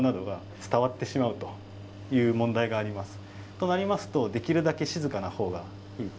となりますとできるだけ静かなほうがいいと。